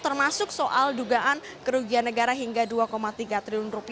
termasuk soal dugaan kerugian negara hingga rp dua tiga triliun